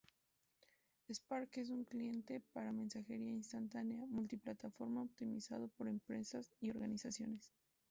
Spark es un cliente para Mensajería Instantánea, multi plataforma optimizado para empresas y organizaciones.